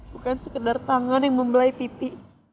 bukan sekedar tangan yang membelai pipi